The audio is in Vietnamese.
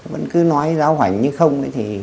vẫn cứ nói giáo hoành như không